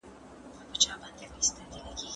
علم د انزوا احساس کموي.